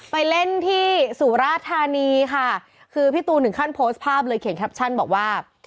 ไปเล่นที่สุราธานีค่ะคือพี่ตูนถึงขั้นโพสต์ภาพเลยเขียนแคปชั่นบอกว่า